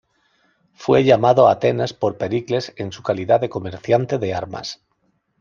Fue llamado a Atenas por Pericles en su calidad de comerciante de armas.